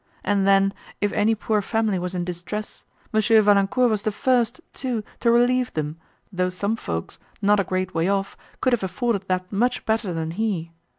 And then, if any poor family was in distress, M. Valancourt was the first, too, to relieve them, though some folks, not a great way off, could have afforded that much better than he.